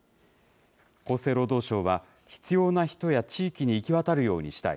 厚生労働省は、必要な人や地域に行き渡るようにしたい。